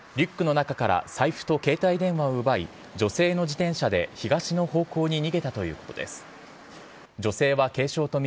男は、リュックの中から財布と携帯電話を奪い、女性の自転車で東の方向に逃げたということです。